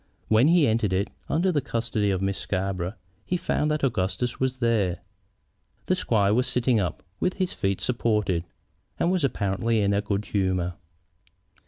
When he entered it, under the custody of Miss Scarborough, he found that Augustus was there. The squire was sitting up, with his feet supported, and was apparently in a good humor.